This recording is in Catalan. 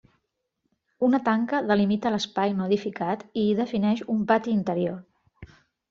Una tanca delimita l'espai no edificat i hi defineix un pati interior.